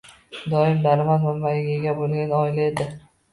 Doimiy daromad manbayiga ega bo‘lgan oila edi.